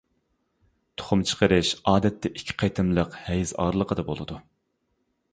تۇخۇم چىقىرىش ئادەتتە ئىككى قېتىملىق ھەيز ئارىلىقىدا بولىدۇ.